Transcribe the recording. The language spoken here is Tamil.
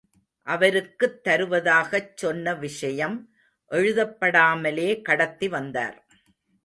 அவருக்குத் தருவதாகச் சொன்ன விஷயம் எழுதப்படாமலே கடத்தி வந்தார்.